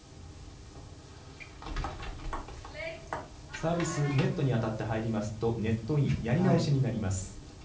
サービスネットに当たって入りますとネットインやり直しになります。